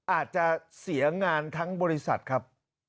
อาจจะเสียงานทั้งบริษัทครับ